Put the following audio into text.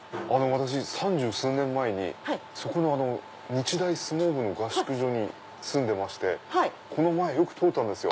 私３０数年前にそこの日大相撲部の合宿所に住んでましてこの前よく通ったんですよ。